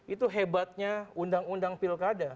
itu hebatnya undang undang pilkada